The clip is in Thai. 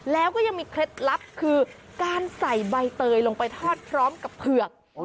แล้วก็ยังมีเคล็ดลับคือการใส่ใบเตยลงไปทอดพร้อมกับเผือก